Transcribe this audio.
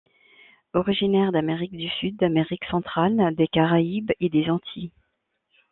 Originaire d'Amérique du sud, d'Amérique centrale, des Caraïbes et des Antilles.